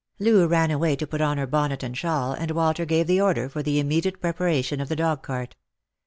Loo ran away to put on her bonnet and shawl, and Walter gave the order for the immediate preparation of the dog cart.